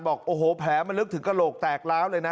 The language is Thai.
บอกโอ้โหแผลมันลึกถึงกระโหลกแตกล้าวเลยนะ